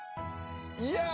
「いや！」